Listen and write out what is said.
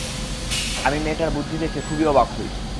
আমি মেয়েটার বুদ্ধি দেখে খুবই অবাক হই।